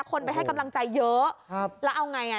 คนไปให้กำลังใจเยอะครับแล้วเอาไงอ่ะ